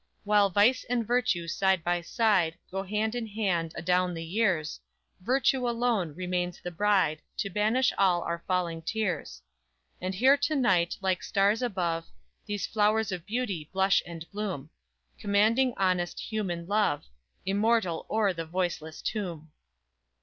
While vice and virtue side by side Go hand in hand adown the years, Virtue alone, remains the bride To banish all our falling tears; And here to night like stars above These flowers of beauty blush and bloom Commanding honest human love, Immortal o'er the voiceless tomb!